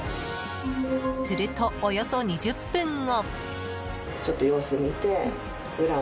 すると、およそ２０分後。